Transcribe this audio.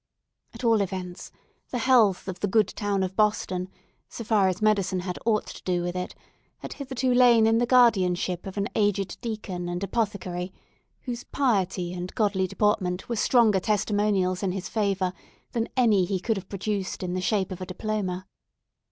At all events, the health of the good town of Boston, so far as medicine had aught to do with it, had hitherto lain in the guardianship of an aged deacon and apothecary, whose piety and godly deportment were stronger testimonials in his favour than any that he could have produced in the shape of a diploma.